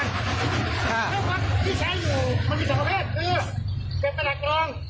ค่ะแล้ววัดที่ใช้อยู่มันมีสังเกิดคือเป็นประสาทกรอง